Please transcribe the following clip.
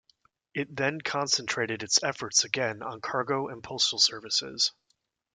It then concentrated its efforts again on cargo and postal services.